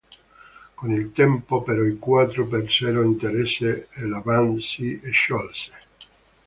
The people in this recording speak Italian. Con il tempo, però, i quattro persero interesse e la band si sciolse.